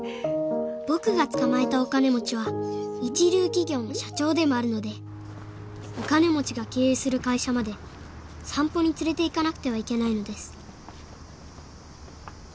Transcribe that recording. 僕が捕まえたお金持ちは一流企業の社長でもあるのでお金持ちが経営する会社まで散歩に連れていかなくてはいけないのです